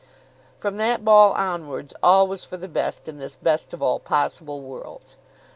From that ball onwards all was for the best in this best of all possible worlds.